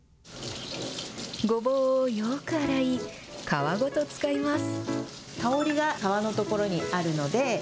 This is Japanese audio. ごぼうをよーく洗い、皮ごと使います。